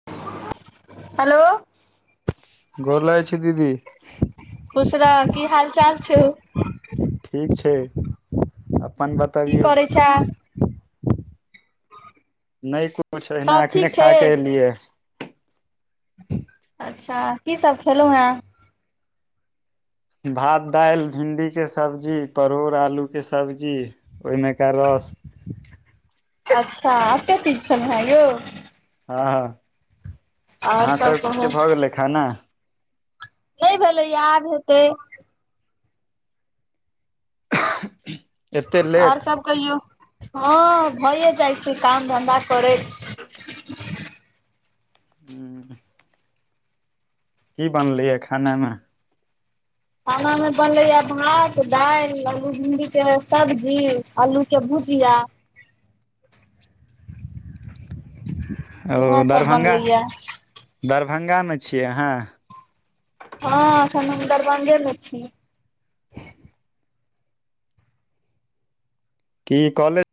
[inaudible] Hello गोर लागै छी दीदी। खुश रहऽ की हाल चाल छौ? ठीक छै अपन की बतबियौ? करै छें नहि किछु ओहिना सब एखने ठीक छै खा कऽ एलियै। अच्छा की सब खेलहुँ हैं? भात दालि भिण्डीके सब्जी परोड़ आलूके सब्जी। ओहिमेका रस। अच्छा अते चीज खेलउह यौ? हँ हँ आओर अहाँ सब सबके कहू भऽ गेलै खाना? नहि भेलैया आब हेतै। एते आओर लेट सब कहियौ हँ भइए जाइ छैय काम धंधा करैत। [unintelligible] हू की बनलैया खानामे? खानामे बनलैया भात दालि आलू भिणडीके सब्जी आलूके भुजिया। ओ इएह सब दरभंगा बनलैये दरभ्ंगामे छियै अहाँ? हँ एखन हम दरभंगे मे छि। [unintelligible] की कॉलेज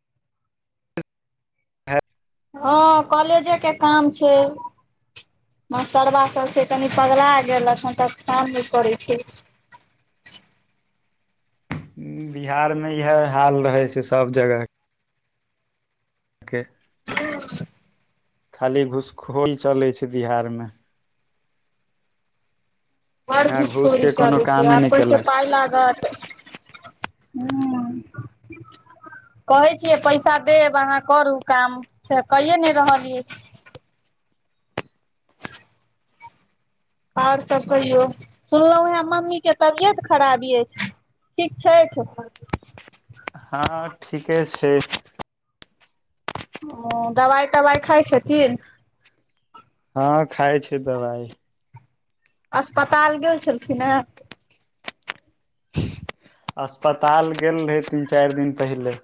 हँ कॉलेजे के काम छैय। मस्टरबा सभ छैय तनि पगला गेलक ह तक काम नहि करैत छैय। बिहार मे इएह हाल रहै छैय सब जगह के। के ह खाली घुसखोर चलै छैय बिहारमे। बर बिना घूसखौरी घूसके कोनो चलै छैय कामे नहि आ केलक पाय लागत हू कहै छियै पैसा देब अहाँ करू काम से कैए नहि रहल अछि। [unintelligible] आओर सब कहियौ सुनलहु उएह मम्मी के तबियत खराब अछि। ठीक छथि? हँ ठीके छैय। ओ दबाइ तबाइ खाइ छथिन? हँ खाइ छैय दबाई। अस्पताल गेल छलखिन हे? अस्पताल गेल रहै तीन चारि दिन पहिले।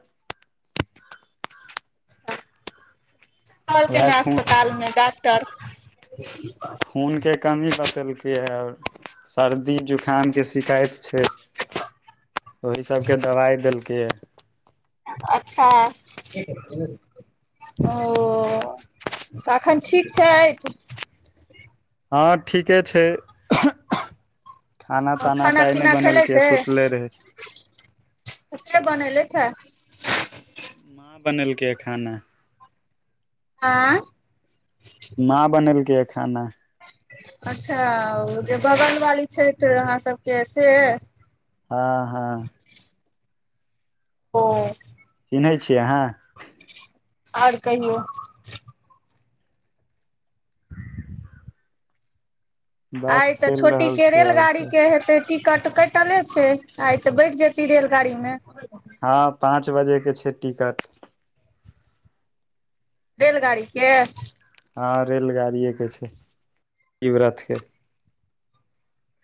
कहलके उएह ने खून अस्पतालमे डॉक्टर खूनके कमी बतेलकै आओर सर्दी जुकामके शिकायत छैय। ओहि सबके दवाइ देलकैया। अच्छा ओ तऽ एखन ठीक छैथ? हँ ठीके छैय। खाना ताना तऽ आइ नहि पीना खेलैत बनेलकै अइ सुतले रहय। के बनैलथ ह? बनेलकै ह खाना। आँय? कहा बनेलकै ह खाना। अच्छा जे बगल वाली छथि अहाँ सबके से? हँ हँ ओ चिन्है छियै अहाँ? आओर कहियौ। बस आइ तऽ चलि छोटी रहल के छै आओर रेलगाड़ी सब के हेतै टिकट कटले छैय आइ तऽ बैठ जेती रेलगाड़ी मे? हँ पाँच बजे के छैय टिकट। रेलगाड़ी के? हँ रेलगाड़िएके छैय, [unintelligible] रथ के।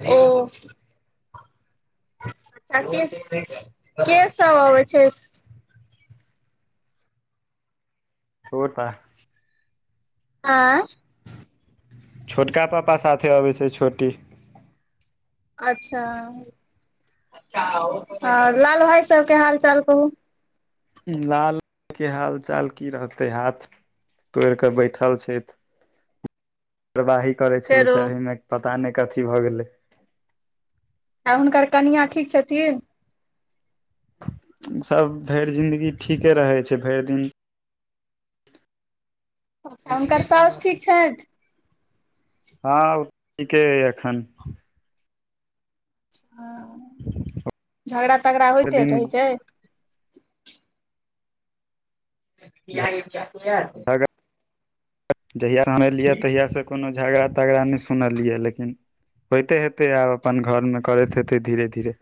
ओ आ के के सब अबै छैथ? [unintelligible] आँय? छोटका पापा साथे अबै छैय छोटी। अच्छा लाल भाइ सबके हाल चाल कहू। लाल के हाल चाल की रहते हाथ तोड़ि कऽ बैठल छथि। काररवाही करै छलै फेरो तऽ एहिमे पता नहि कथी भऽ गेलै। आ हुनकर कनिआँ ठीक छथिन? सब भरि जिंन्दगी ठीके रहै छैय भरि जिन हुनकर सासु ठीक छैथ? हँ ओ ठीके अइ एखन। झगड़ा तगड़ा भरि होइते दिन होइत छैय? [unintelligible] झगड़ा जहिया हम एलियै तहियासँ कोनो झगड़ा तगड़ा नहि सुनलियै लेकिन होइते हेतै आब अपन घरमे करैत हेतै धीरे धीरे।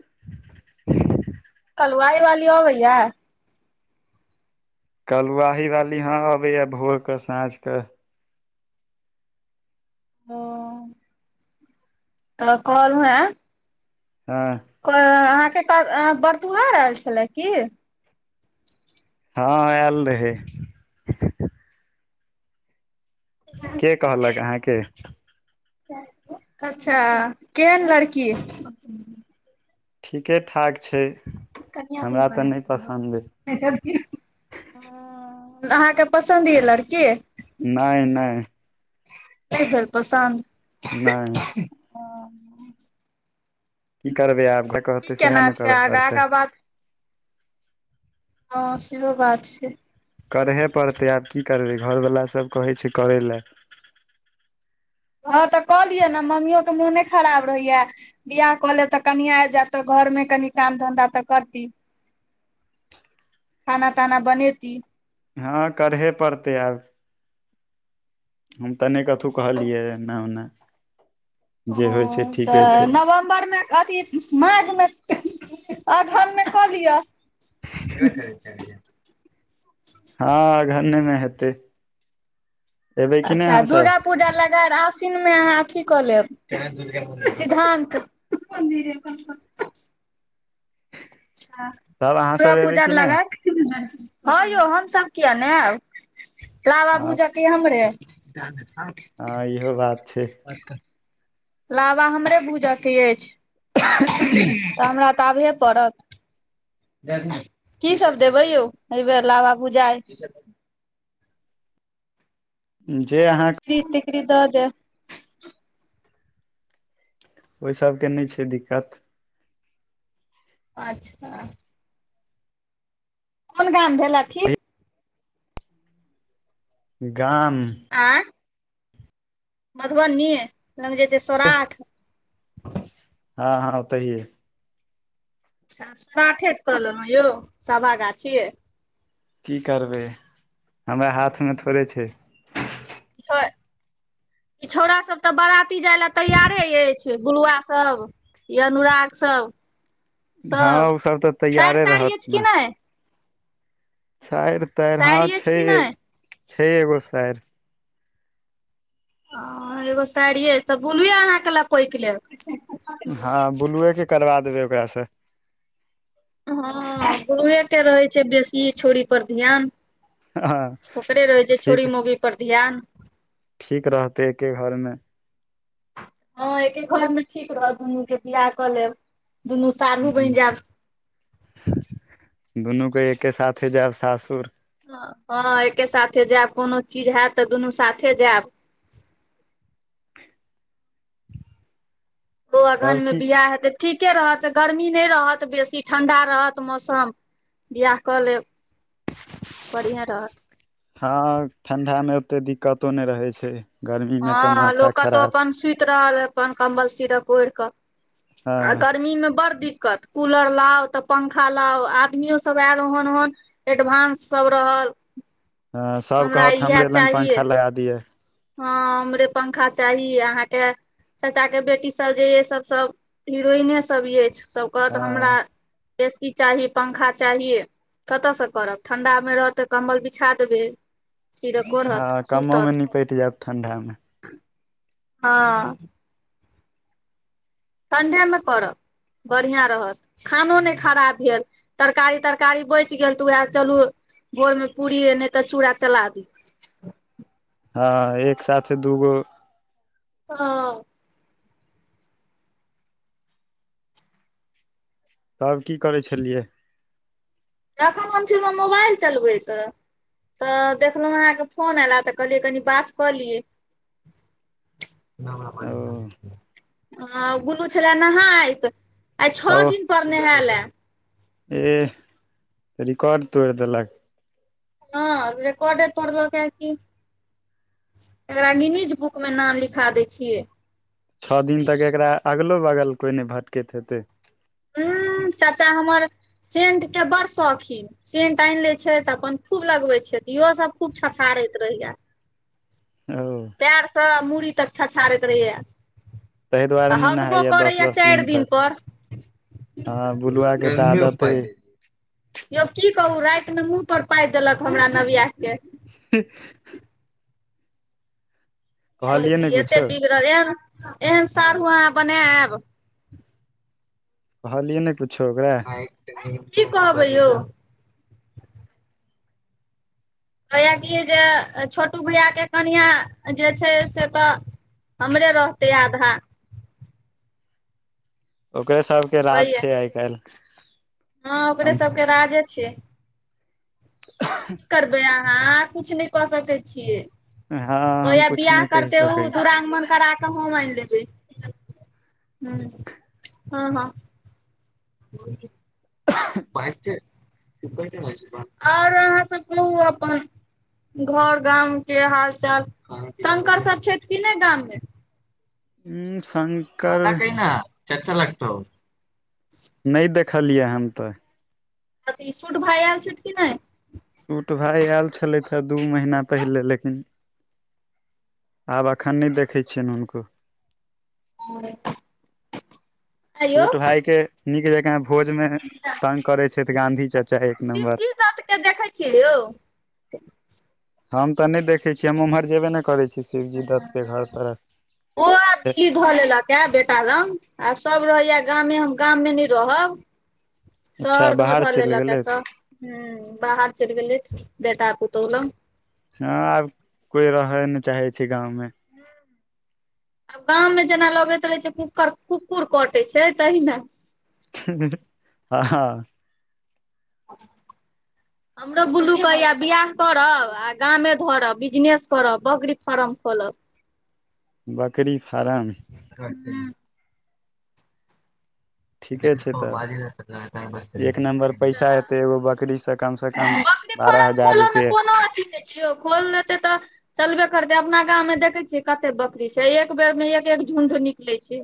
कलवाइ वाली आबैया? कलुआही वाली हाँ अबैया भोरकेऽ साँझकेऽ। ओ त कहलहू ह हँ क अहाँके क अं बड़तुहार आयल छल की? हँ आयल रहै। ह के कहलक अहाँके? अच्छा केहन लड़की? ठीके ठाक छैय हमरा तऽ नहि पसन्द अय। अहाँके पसन्द यऽ लड़की? नहि नहि। नय भेल पसन्द। नहि ओ की करबै आब जे की कहतै सएह केना ने छै कर आगा आगा पड़तै। बात हँ सेहो बात छैय। करहे पड़तै आब की करबै घरवलाास सब कहै छैय करै ला। हँ तऽ क लिय ने मम्मियो के मोने खराब रहैया। बियाह कऽ लेब तऽ कनिया आबि जायत तऽ घरमे कनि काम धंधा तऽ करती। खाना ताना बनेती। हँ करहे पड़तै आब। हम तऽ नहि कथहु कहलियै एना ओन्ना। ओ तऽ छै नवंबर नवम्बर मे अथी माघ मे अगहन मे क लिअ। केकरा कहै [unintelligible] हँ अगहने में हेतै। एबै कि नहि अच्छा दुर्गा अहाँसभ पूजा लगायल आस सिन मे अहाँ अथी कऽ लेब सिद्धानत अच्छा तब अहाँसभ एबै दुर्गापूजार कि नहि लगायल। हँ यौ हम सब किया ने आयब लाबा हँ भूजा कि हमरे। हँ इहो बात छैय। [unintelligible] लाबा हमरे भूजऽ के अछि तऽ हमरा तऽ आबहे पड़त। की सभ देबै यौ एहिबेर लाबा भूजाय? जे अहाँ [unintelligible] ओहि सबके नहि छैय दिक्कत। अच्छा कोन गाम भेलाऽ ठीक। गाम आँ मधुबनी लग जे छैय सौराठ? हँ हँ ओतहिए। सोराठे कऽ लेलहुँ यौ साभा गाछि। की करबै हमरा हाथमे थोड़े छैय। ह ई छौड़ा सब तऽ बराती जाय लए तैयारे अछि गुलुआ सब य अनुराग सब हँ सब ओ तऽ साार तैयारे ताार रहत अछि कि नहि? सारि तारि हँ साइर अछि कि छैहे नहि छैय एगो सारि। ह एगो साड़िय त बोलुए अहके लपैक लेत। हँ बुलुएके करबा देबै ओकरासँ। हँ गुरुए के रहैत छैय बेसी छोरी पर ध्यान। हँ ओकड़े रहै छैय छौरी ठीक मौगी पर ध्यान। ठीक रहतै एके घरमे हँ एके घर मे ठीक रहत दुनू के बियाह कऽ लेब दुनू साढ़ू बनि हूं जायब दुनू के एके साथे जायब सासुर। हँ एके साथे जैब कोनो चीज हैत तऽ दुनू साथे जैब। ओ अगहन तब मे की बियाह हेतै ठीके रहत गर्मी नहि रहत बेसी ठंडा रहत मौसम। बिआह कऽ लेब बढ़िआँ रहत। हँ ठण्डामे ओते दिक्कतो नहि रहै छैय। हँ लोक कतव अपन सुति रहल अपन कम्बल सिरक ओयढ़ क हँ आ गर्मी में बड़ दिक्कत। कूलर लाउ तऽ पंखा लाउ आदमियो सब आयल ओहन ओहन एडवानंस सब रहल। हँ सब हमरा कहत हमरे लग पङखा लगा दिय। हाँ उमरे पंखा चाही अहाँके चाचा के बेटीसभ जे य सभ सब हिरोइने सभ अछि सभ कहतऽ हमरा हँ ए सी चाही पंखा चाह। कत्तसँ करब ठंडा में रहत तऽ कम्बल बिछा देबै सीरक ओरहत सुतत। कैट जैब ठण्डा मे। हाँ ठण्डेमे करब बढ़ियां रहत। खानो नय खराब भेल तरकारी तरकारी बैच गेल तऽ उएह चलू पूरीये नहि त चुरा चला देबय। हाँ एक साथे दूगो हँ तब की करै छलियै? तखन हम छलव मोबाइल चलबैत। तऽ देखलहु अहाँके फोन एयला तऽ कहलियै कनि बात कऽ लियै। ओ हं गुल्लू छलै नहायत। आइ छओ दिन पर नहैलयै। एह रिकाॅड तोयर देलक। हँ रेकाॅडे तोरलकयै की। एकरा [unintelligible] बुक मे नाम लिखा दै छियै। छौ दिन तक एकरा अगलो बगल कोइ नहि भटकैत हेतै। हूं चाचा हमर सेंट के बड़ शौकीन। सेंट आइन लै छै तऽ अपन खूब लगबैत छै तऽ इहोसभ खूब छछारैत रहया। ओ एरी से मूड़ी तक छछाारैत रहहय ताहि दुआरे आ नहि हगबो नहाइया दस करैया दस चारि दिन तक पर। हँ बुलुआ के तऽ आदते यै। यौ की कहू राति मे मुँह पर पाइद देलक हमरा नाव्या के। हीह की कहै कहलियै छी ने एते कुछो बिगड़ल एन एहन साारू अहाँ बनायब? कहलियै नय कुछो ओकरा। की कहबै यौ। कहयै कि जे छोटू भैया के कनिआ जे छैय से तऽ हमरे रहतय आधा। ओकरे सबके राज कहैया छैय आइ काल्हि। हँ ओकरे हम सबके राजे छैय। [unintelligible] की करबै अहाँ किछु नहि कऽ सकै छियै। हँ हम कहैया कुछ बियाह नहि कहि करतै सकै ओ छी दुरागमनि करा क हम अइन लेबै हूं हँ हँ। [unintelligible] और अहाँ सब कहू अपन। घर गाम के हाल चाल शंकर सब छथि कि नहि गाममे? हूं सं दादा कहिना चच्चा लगतौ नय देखलियै हम तऽ अथि सूट भाई आयल छथि कि नहि सूट भाइ आयल छलथि हँ दू महिना पहिले लेकिन आब एखन नहि देखैत छियनि हुनको आर पुट भााय के नीक जका भोजमे तंग करै छै तऽ गांधी चाचा एक नमबर शिवजी दत्त के देखै छियै यौ हम तऽ नहि देखै छियै हम ओम्हर जेबे नहि करै छी शिवजी दत्तके घर ओ आब तरफ दिल्ली धऽ लेलक आ बेटा रंग आ सब रहैया गामे हम गाम मे नहि रहब अच्छा शहर धअ बाहर धअ चलि लेलक या गेलथि सभ हूं बाहर चलि गेलै बेटा पुतोहु लंग हँ आब कोइ रहय नहि चाहै छै गाँवमे आ गामव मे जेना लगैत रहै छै कुकर कुकुर कटैत छै तहि ना हँ हँ हह आ [inaudible] [inaudible] हमरो बुल्लू कहयै बियाह करब आ गामे धरब बिजनेस करब बकरी फार्म खोलब बकरी फार्म हुँ ठीके छै तऽ लगातार बजते तब रहै एक नम्बर छै। पैसा अच्छा एतै एगो बकरीसँ कमसँ कम बारह हजार रुपए कियौ खोल देतै तऽ चलबे करतै अपना गाम मे देखे छियै कते बकरी छै एक बेर मे एक एक झुण्ड निकले छै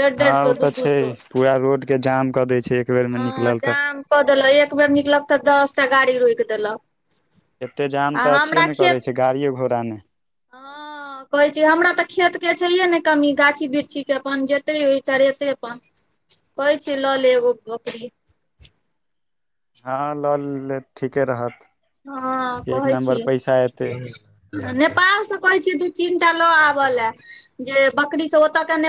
डढ़ हँ डढ़ ओ सए तऽ दू दू छै सए पूरा रोड के जाम कऽ दै छै एक बेर मे हँ निकलल तऽ जाम कऽ देलक एक बेर निकलब तऽ दस टा गाड़ी रोकि देलक एते जाम आ तऽ अथियो हमरा नहि करै खेत छै गाड़ियों घोड़ा ने हँ कहै छी हमरा तऽ खेतके छैहे ने कमी गाछी बिृक्षीक के अपन जेतै ओ चरेतै अपन कहै छी लऽ ले एगो बकरी हँ लऽ लेथ ठीके रहत हँ एक कहै नम्बर छिय पैसा एतै नेपाल से कहे छ दू ची टा लऽ आबऽ ले जे बकरी से ओत के